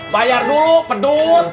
bayar dulu pedut